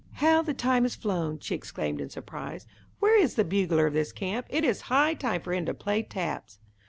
"How the time has flown!" she exclaimed in surprise. "Where is the bugler of this camp? It is high time for him to play taps."